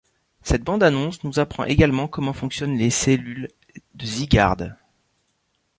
Cette bande-annonce nous apprend également comment fonctionnent les cellules de Zygarde.